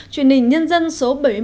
truyền hình nhân dân số bảy mươi một